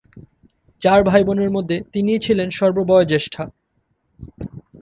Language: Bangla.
চার ভাইবোনের মধ্যে তিনিই ছিলেন সর্ববয়োজ্যেষ্ঠা।